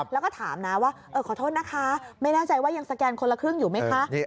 แล้วก็ถามนะว่าขอโทษนะคะไม่แน่ใจว่ายังสแกนคนละครึ่งอยู่ไหมคะ